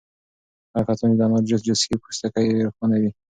هغه کسان چې د انار جوس څښي پوستکی یې روښانه وي.